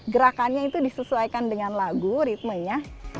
gerakannya itu disesuaikan dengan lagu ritmenya